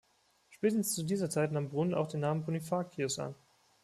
Spätestens zu dieser Zeit nahm Brun auch den Namen Bonifacius an.